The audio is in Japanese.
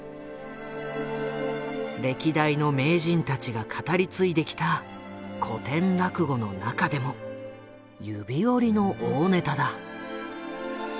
歴代の名人たちが語り継いできた古典落語の中でも指折りの大ネタだ。